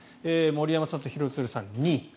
森山さんと廣津留さんは２。